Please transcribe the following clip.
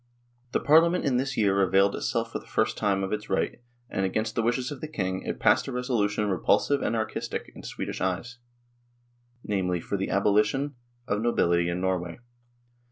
The Parliament in this year availed itself for the first time of its right, and, against the wishes of the king, it passed a resolution repulsive and anarchistic in Swedish eyes, namely, for the abolition of nobility in Norway.